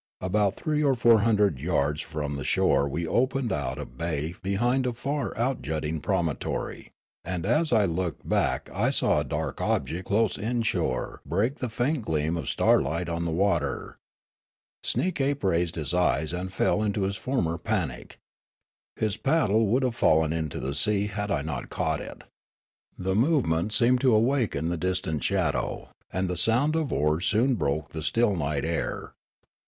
About three or four hundred yards from the shore we opened out a baj^ behind a far out jutting promoutor}' ; and as I looked back I saw a dark object close inshore break the faint gleam of starlight on the water. Sneekape raised his eyes and fell into his former panic. His paddle would have fallen into the sea had I not caught it. The movement seemed to awaken the distant shadow, and the sound of oars soon broke the still night air.